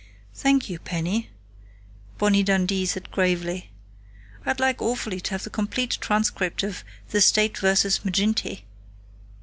"Thank you, Penny," Bonnie Dundee said gravely. "I'd like awfully to have the complete transcript of 'The State versus Maginty.'